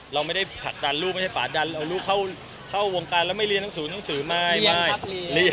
เราไม่ได้ผัดดันลูกไม่ใช่ผาดดันเอาลูกเข้าวงการแล้วไม่เรียนทั้งศูนย์ไม่